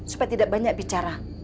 supaya tidak banyak bicara